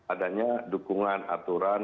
adanya dukungan aturan